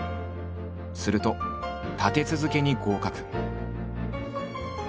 すると立て続けに合格。